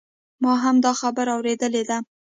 ما هم دا خبره اوریدلې ده